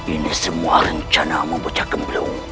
ini semua rencana membocah kembelung